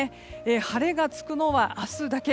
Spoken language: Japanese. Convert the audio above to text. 晴れがつくのは明日だけ。